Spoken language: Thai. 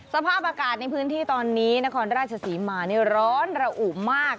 สภาพอากาศในพื้นที่ตอนนี้นครราชศรีมานี่ร้อนระอุมาก